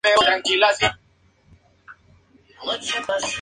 Allí nació el Paraje "Las Mellizas".